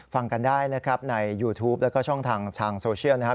ฟังกันได้นะครับในยูทูปแล้วก็ช่องทางทางโซเชียลนะครับ